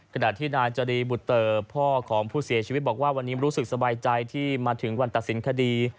ขณะที่นายจรีบุตเตอร์พ่อของผู้เสียชีวิตบอกว่าวันนี้รู้สึกสบายใจที่มาถึงวันตัดสินคดี